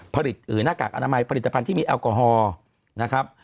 ผลิตหน้ากากอนามัยผลิตภัณฑ์ที่มีแอลกอฮอล์นะครับ